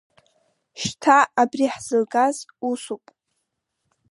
Шьҭа абри ҳзылгаз усуп.